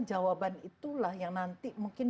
jawaban itulah yang nanti mungkin